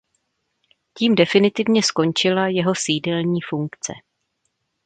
Tím definitivně skončila jeho sídelní funkce.